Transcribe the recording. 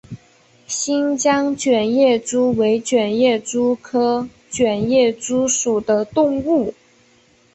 新疆卷叶蛛为卷叶蛛科卷叶蛛属的动物。